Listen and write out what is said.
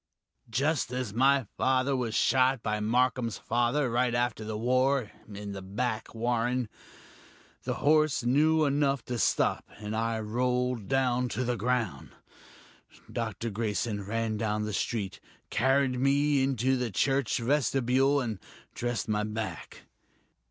"Just as my father was shot by Marcum's father, right after the War in the back, Warren. The horse knew enough to stop, and I rolled down to the ground. Dr. Grayson ran down the street, carried me into the church vestibule, and dressed my back.